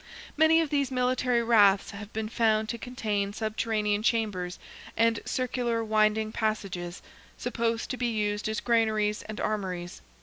Many of these military raths have been found to contain subterranean chambers and circular winding passages, supposed to be used as granaries and armories.